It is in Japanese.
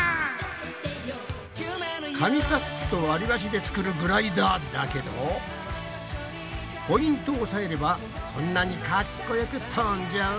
紙パックとわりばしで作るグライダーだけどポイントをおさえればこんなにかっこよく飛んじゃう！